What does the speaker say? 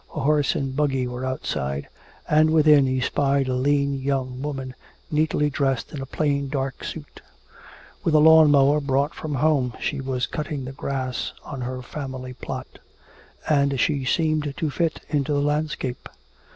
A horse and buggy were outside, and within he spied a lean young woman neatly dressed in a plain dark suit. With a lawn mower brought from home she was cutting the grass on her family lot. And she seemed to fit into the landscape.